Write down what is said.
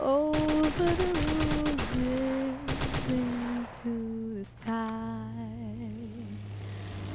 "Over the roses into the sky."